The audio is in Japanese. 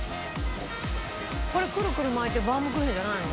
これくるくる巻いてバウムクーヘンじゃないの？